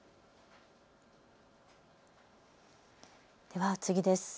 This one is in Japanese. では次です。